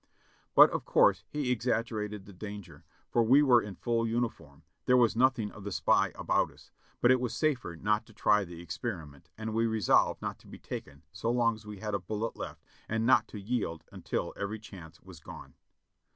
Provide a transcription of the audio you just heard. But of course he exaggerated the danger, for we were in full uniform; there was nothing of the spy about us, but it was safer not to try the experiment, and we resolved not to be taken so long as we had a bullet left, and not to yield until every chance was gone.